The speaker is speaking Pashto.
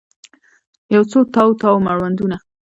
یوڅو تاو، تاو مړوندونه